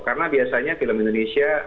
karena biasanya film indonesia